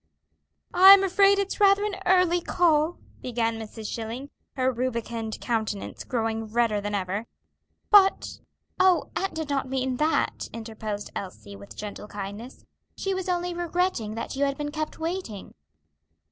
"I'm afraid it's rather an early call," began Mrs. Schilling, her rubicund countenance growing redder than ever, "but " "Oh, aunt did not mean that," interposed Elsie, with gentle kindliness. "She was only regretting that you had been kept waiting."